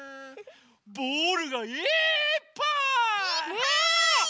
ボールがいっぱい！